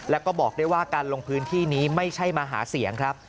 แล้วก็บอกได้ว่าการลงพื้นที่นี้ไม่ใช่มาหาเสียงครับ